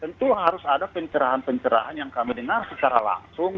tentu harus ada pencerahan pencerahan yang kami dengar secara langsung